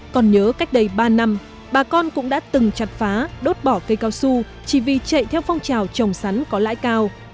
còn nhớ cách đây ba năm bà con cũng đã từng chặt phá đốt bỏ cây cao su chỉ vì chạy theo phong trào trồng sắn có lãi cao